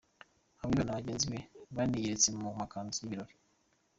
Habiba na bagenzi be baniyeretse mu makanzu y’ibirori.